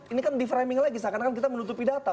ini kan di framing lagi seakan akan kita menutupi data